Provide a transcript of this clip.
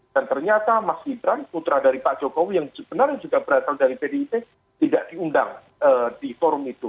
dan ternyata mas idran putra dari pak jokowi yang sebenarnya juga berasal dari pdip tidak diundang di forum itu